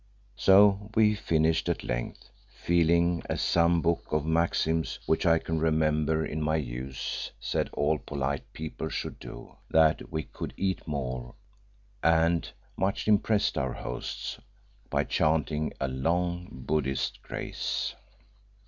So we finished at length, feeling, as some book of maxims which I can remember in my youth said all polite people should do that we could eat more, and much impressed our hosts by chanting a long Buddhist grace.